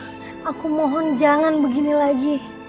aku mohon jangan begini lagi